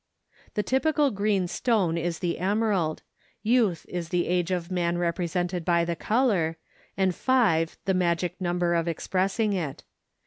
The typical green stone is the emerald, youth is the age of man represented by the color, and five the magic number expressing it.